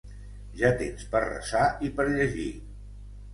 Ja tens per resar i per llegir.